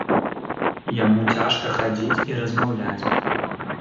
Яму цяжка хадзіць і размаўляць.